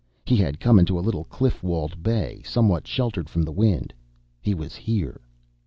He had come into a little cliff walled bay, somewhat sheltered from the wind. He was here!